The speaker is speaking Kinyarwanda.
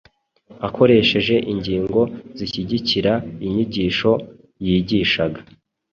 akoresheje ingingo zishyigikira inyigisho yigishaga.